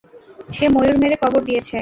সে ময়ূর মেরে কবর দিয়েছে।